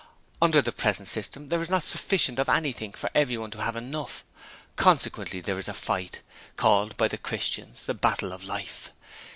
Under the present system there is not sufficient of anything for everyone to have enough. Consequently there is a fight called by Christians the 'Battle of Life'.